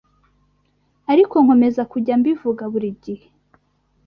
ariko nkomeza kujya mbivuga buri gihe,